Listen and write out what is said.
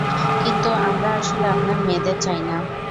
কিন্তু আমরা আসলে আপনার মেয়েদের চাই না।